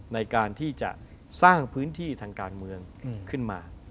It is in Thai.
ในการที่จะสร้างพื้นที่ทางการเมืองขึ้นมา